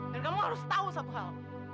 dan kamu harus tau satu hal